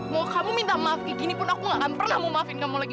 mau kamu minta maaf kayak gini pun aku gak akan pernah mau maafin kamu lagi